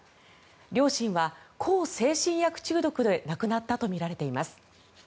両親は向精神薬中毒で亡くなったとみられています。